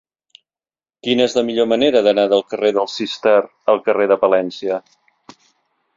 Quina és la millor manera d'anar del carrer del Cister al carrer de Palència?